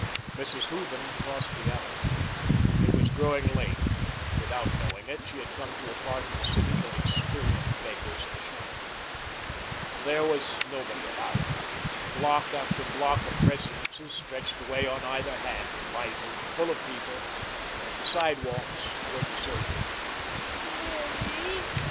Mrs. Hooven crossed the avenue. It was growing late. Without knowing it, she had come to a part of the city that experienced beggars shunned. There was nobody about. Block after block of residences stretched away on either hand, lighted, full of people. But the sidewalks were deserted.